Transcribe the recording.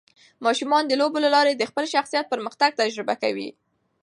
ماشومان د لوبو له لارې د خپل شخصیت پرمختګ تجربه کوي.